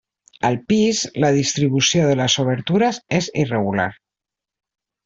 Al pis, la distribució de les obertures és irregular.